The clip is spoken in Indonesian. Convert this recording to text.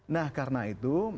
nah karena itu